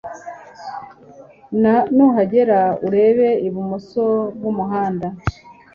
Nuhagera urebe ibumoso bwumuhanda.